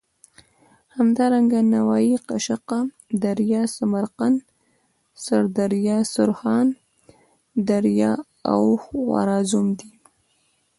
همدارنګه نوايي، قشقه دریا، سمرقند، سردریا، سرخان دریا او خوارزم دي.